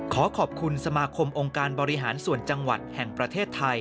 ขอขอบคุณสมาคมองค์การบริหารส่วนจังหวัดแห่งประเทศไทย